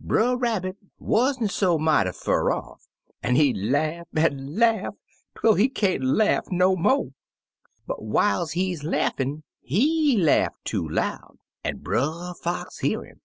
Brer Rabbit wa'n't so mighty fur off, an' he laugh an' laugh twel he can't laugh no mo', "But whiles he laughin', he laugh too loud, an' Brer Fox hear him.